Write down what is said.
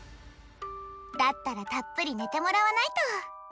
だったらたっぷり寝てもらわないと。